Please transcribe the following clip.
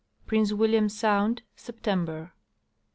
Prince William sound, September.